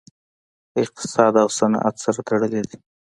اقتصاد او صنعت سره تړلي دي